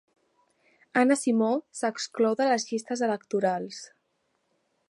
Anna Simó s'exclou de les llistes electorals